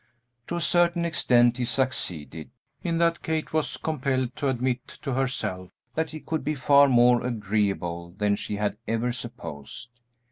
To a certain extent he succeeded, in that Kate was compelled to admit to herself that he could be far more agreeable than she had ever supposed.